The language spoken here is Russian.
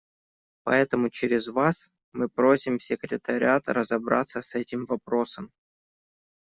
Поэтому через Вас мы просим секретариат разобраться с этим вопросом.